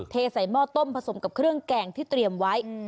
เทใส่หม้อต้มผสมกับเครื่องแกงที่เตรียมไว้